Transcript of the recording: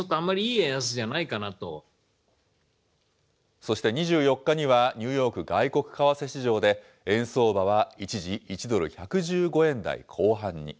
そして２４日にはニューヨーク外国為替市場で、円相場は一時１ドル１１５円台後半に。